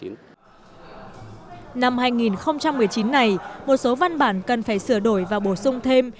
năm hai nghìn một mươi chín này một số văn bản cần phải sửa đổi và bổ sung thêm